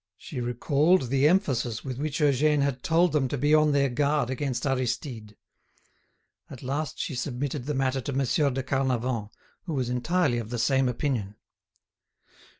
She recalled the emphasis with which Eugène had told them to be on their guard against Aristide. At last she submitted the matter to Monsieur de Carnavant, who was entirely of the same opinion.